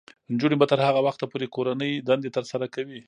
نجونې به تر هغه وخته پورې کورنۍ دندې ترسره کوي.